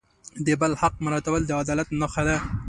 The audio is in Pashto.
د بل حق مراعتول د عدالت نښه ده.